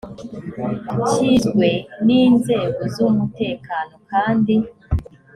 kizwe n inzego z umutekano kandi